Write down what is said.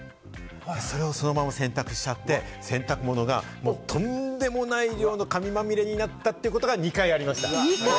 それをそのまま洗濯しちゃって、洗濯物がとんでもない量の紙まみれになったということが２回ありました。